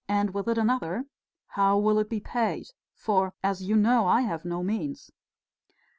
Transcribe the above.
And with it another: How will it be paid? For, as you know, I have no means...."